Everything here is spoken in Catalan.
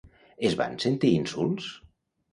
Es van sentir insults?